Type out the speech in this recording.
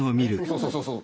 そうそうそうそう。